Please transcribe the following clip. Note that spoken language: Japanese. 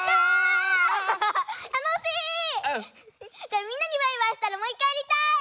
じゃあみんなにバイバイしたらもういっかいやりたい！